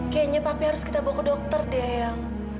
kayaknya papi harus kita bawa ke dokter deh yang